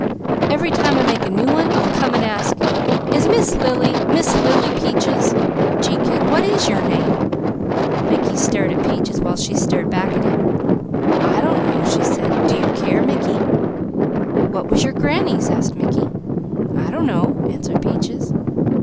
Every time I make a new one I'll come and ask, 'Is Miss Lily Miss Lily Peaches ' Gee kid, what's your name?" Mickey stared at Peaches, while she stared back at him. "I don't know," she said. "Do you care, Mickey?" "What was your granny's?" asked Mickey. "I don't know," answered Peaches.